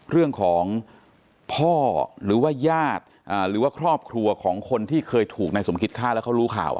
เรื่องของพ่อหรือว่าญาติหรือว่าครอบครัวของคนที่เคยถูกนายสมคิดฆ่าแล้วเขารู้ข่าว